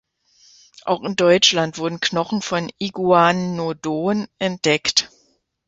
Auch in Deutschland wurden Knochen von "Iguanodon" entdeckt.